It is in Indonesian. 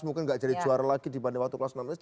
mungkin nggak jadi juara lagi dibanding waktu kelas enam sd